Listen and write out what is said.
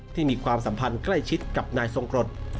มีความสัมพันธ์ใกล้ชิดกับนายทรงกรด